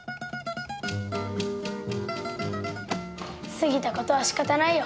過ぎた事はしかたないよ。